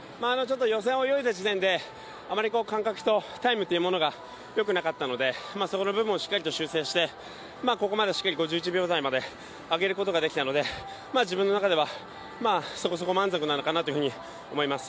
予選泳いだ時点で、感覚とタイムっていうものがよくなかったので、そこの部分をしっかりと修正してしっかり５１秒台まで上げることができたので自分の中では、そこそこ満足なのかなと思います。